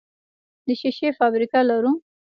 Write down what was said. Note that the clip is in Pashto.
د شیشې فابریکه لرو؟